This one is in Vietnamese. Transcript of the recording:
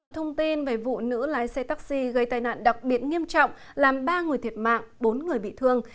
thông tin về vụ nữ lái xe taxi gây tai nạn đặc biệt nghiêm trọng làm ba người thiệt mạng bốn người bị thương